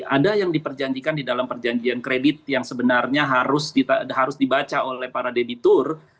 ada yang diperjanjikan di dalam perjanjian kredit yang sebenarnya harus dibaca oleh para debitur